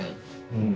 うん。